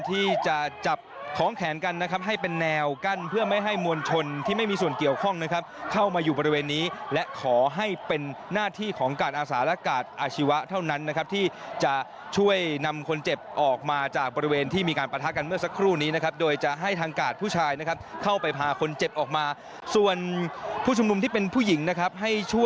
ที่จะจับของแขนกันนะครับให้เป็นแนวกั้นเพื่อไม่ให้มวลชนที่ไม่มีส่วนเกี่ยวข้องนะครับเข้ามาอยู่บริเวณนี้และขอให้เป็นหน้าที่ของการอาสาและกาศอาชีวะเท่านั้นนะครับที่จะช่วยนำคนเจ็บออกมาจากบริเวณที่มีการปะทะกันเมื่อสักครู่นี้นะครับโดยจะให้ทางกาดผู้ชายนะครับเข้าไปพาคนเจ็บออกมาส่วนผู้ชุมนุมที่เป็นผู้หญิงนะครับให้ชั